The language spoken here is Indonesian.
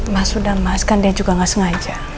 mas sudah mas kan dia juga gak sengaja